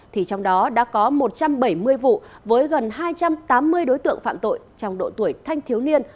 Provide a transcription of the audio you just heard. thì trong đó đã có một trăm bảy mươi vụ với gần hai trăm tám mươi đối tượng phạm tội trong độ tuổi thanh thiếu niên